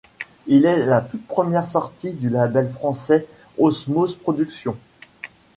Il est la toute première sortie du label français Osmose Productions.